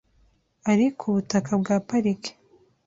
ari ku butaka bwa pariki.